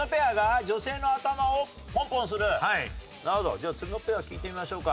じゃあつるのペア聞いてみましょうか。